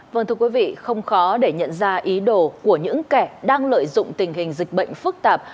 vâng thưa quý vị không khó để nhận ra ý đồ của những kẻ đang lợi dụng tình hình dịch bệnh phức tạp